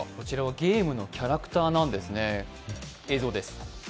ゲームのキャラクターなんですね。